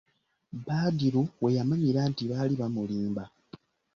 Badru we manyira nti baali bamulimba.